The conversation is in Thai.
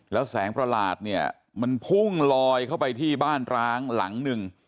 แล้วแสงประหลาดเนี่ยมันพุ่งลอยเข้าไปที่บ้านร้างหลังหนึ่ง